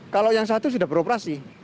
kalau yang satu sudah beroperasi